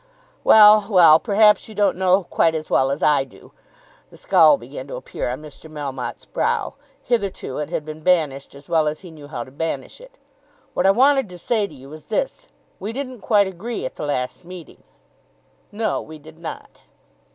"Well, well. Perhaps you don't know him quite as well as I do." The scowl began to appear on Mr. Melmotte's brow. Hitherto it had been banished as well as he knew how to banish it. "What I wanted to say to you was this. We didn't quite agree at the last meeting." "No; we did not."